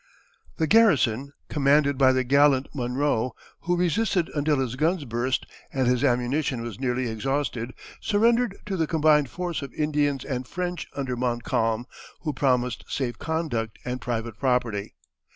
The garrison, commanded by the gallant Monro, who resisted until his guns burst and his ammunition was nearly exhausted, surrendered to the combined force of Indians and French under Montcalm, who promised safe conduct and private property.